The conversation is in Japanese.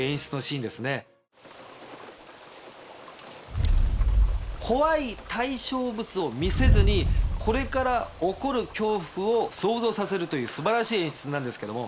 ズン怖い対象物を見せずにこれから起こる恐怖を想像させるという素晴らしい演出なんですけども。